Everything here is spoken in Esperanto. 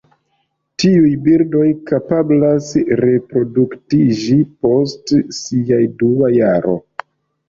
Tiuj birdoj kapablas reproduktiĝi post sia dua jaro.